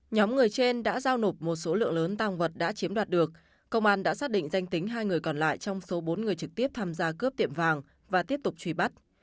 nhóm người trên đã giao nộp một số lượng lớn tăng vật đã chiếm đoạt được công an đã xác định danh tính hai người còn lại trong số bốn người trực tiếp tham gia cướp tiệm vàng và tiếp tục truy bắt